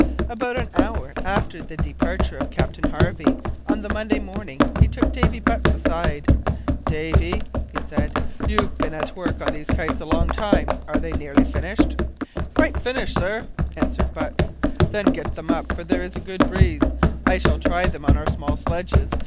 About an hour after the departure of Captain Harvey on the Monday morning he took Davy Butts aside. "Davy," said he, "you've been at work on these kites a long time. Are they nearly finished?" "Quite finished, sir," answered Butts. "Then get them up, for there is a good breeze. I shall try them on our small sledges.